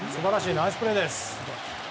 ナイスプレーです。